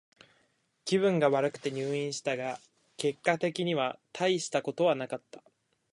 気分が悪くて入院したが、結果的にはたいしたことはなかった。